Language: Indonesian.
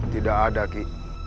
tidak ada ki